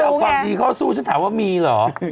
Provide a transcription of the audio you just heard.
เอาความดีเข้าสู้ฉันถามว่ามีเหรอ